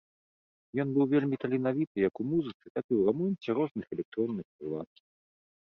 Ён быў вельмі таленавіты як у музыцы, так і ў рамонце розных электронных прылад.